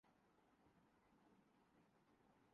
لیکن ہماری تحقیق کے مطابق ابھی یہ پلانٹ جاپان میں مہنگا پڑتا ھے